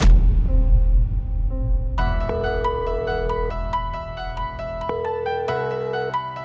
aku mau tidur di rumah